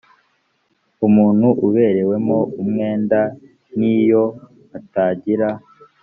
umuntu uberewemo umwenda n iyo atagira